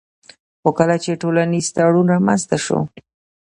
خو کله چي ټولنيز تړون رامنځته سو